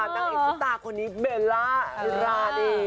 นางเอกซุปตาคนนี้เบลล่าราดี